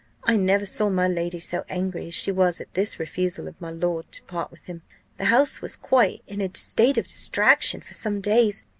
I never saw my lady so angry as she was at this refusal of my lord to part with him. The house was quite in a state of distraction for some days.